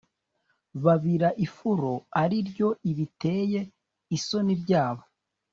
babira ifuro ari ryo ibiteye isoni byabo